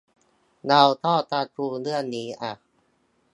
เราชอบการ์ตูนเรื่องนี้อ่ะ